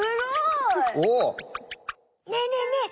ねえねえねえ